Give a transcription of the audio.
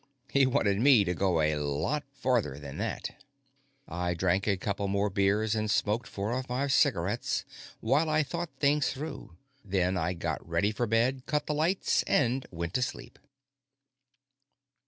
He wanted me to go a lot farther than that. I drank a couple more beers and smoked four or five cigarettes while I thought things through, then I got ready for bed, cut the lights, and went to sleep.